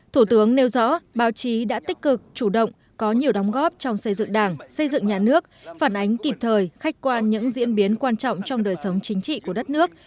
thủ tướng nêu rõ báo chí đã tích cực chủ động có nhiều đóng góp trong xây dựng đảng xây dựng nhà nước phản ánh kịp thời khách quan những diễn biến quan trọng trong đời sống chính trị của đất nước